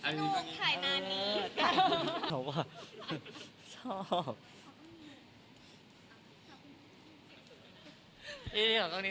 น้องถ่ายหน้านี้